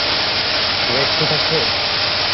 Red ঠিক আছে?